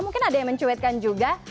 mungkin ada yang mencuitkan juga